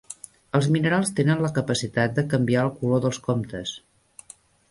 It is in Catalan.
Els minerals tenen la capacitat de canviar el color dels comptes.